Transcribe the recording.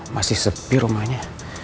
masih sepi rumahnya